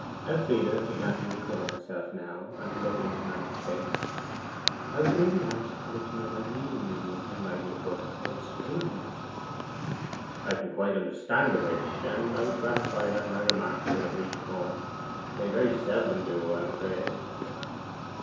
Elfride began to recover herself now, and to look into Knight's face. 'I was merely anxious to let you know my REAL meaning in writing the book extremely anxious.' 'I can quite understand the wish; and I was gratified that my remarks should have reached home. They very seldom do, I am afraid.